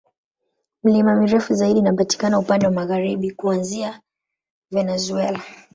Milima mirefu zaidi inapatikana upande wa magharibi, kuanzia Venezuela.